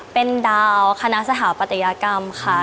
เป็นดาวคณะสถาปัตยกรรมค่ะ